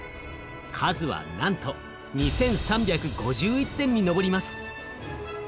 数はなんと２，３５１点に上ります。